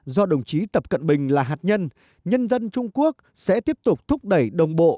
do đồng chí tập cận bình là hạt nhân nhân dân trung quốc sẽ tiếp tục thúc đẩy đồng bộ